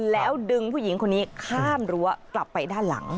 แล้วดึงผู้หญิงคนนี้ข้ามรั้วกลับไปด้านหลัง